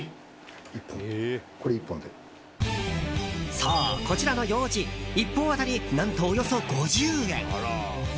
そう、こちらのようじ１本当たり何と、およそ５０円。